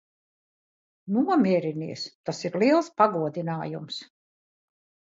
Nomierinies. Tas ir liels pagodinājums.